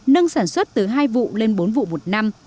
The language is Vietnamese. nâng sản xuất từ hai vụ lên bốn vụ một năm